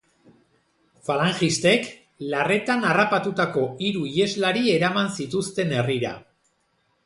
Falangistek larretan harrapatutako hiru iheslari eraman zituzten herrira.